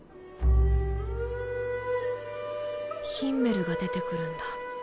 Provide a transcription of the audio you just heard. ヒンメルが出てくるんだ。